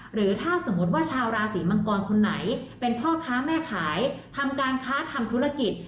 หรือถ้าสมมติว่าชาวราศีมังกรคนไหนเป็นพ่อค้าแม่ขายทำการค้าทำธุรกิจ